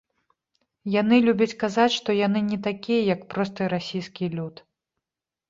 Яны любяць казаць, што яны не такія, як просты расійскі люд.